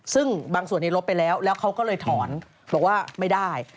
ซึ่งบางส่วนในลบไปแล้วแล้วเขาก็เลยถอนบอกว่าไม่ได้